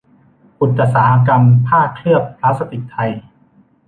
อุตสาหกรรมผ้าเคลือบพลาสติกไทย